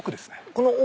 この奥？